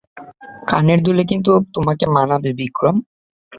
কানের দুলে কিন্তু তোমাকে মানাবে, বিক্রম।